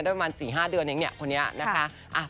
ด้วยประมาณ๔๕เดือนแห่งเนี่ยคนนี้